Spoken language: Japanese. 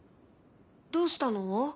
どうしたの？